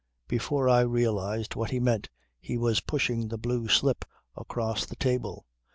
Before I realised what he meant he was pushing the blue slip across the table.